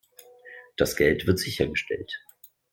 Das Geld wird sichergestellt.